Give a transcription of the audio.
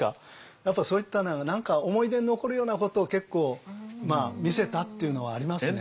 やっぱりそういった何か思い出に残るようなことを結構見せたっていうのはありますね。